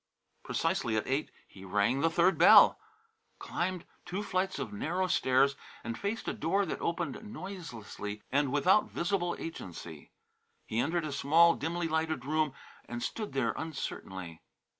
Precisely at eight he rang the third bell, climbed two flights of narrow stairs and faced a door that opened noiselessly and without visible agency. He entered a small, dimly lighted room and stood there uncertainly.